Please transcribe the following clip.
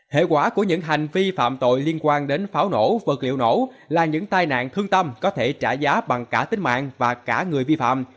hệ quả của những hành vi phạm tội liên quan đến pháo nổ vật liệu nổ là những tai nạn thương tâm có thể trả giá bằng cả tính mạng và cả người vi phạm